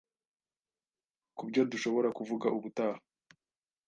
kubyo dushobora kuvuga ubutaha